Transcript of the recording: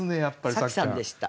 紗季さんでした。